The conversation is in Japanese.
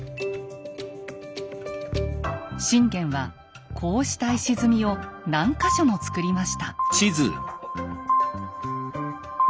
信玄はこうした石積みを何か所も造りました。